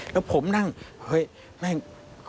แล้วผมนั่งเฮ้ยนั่ง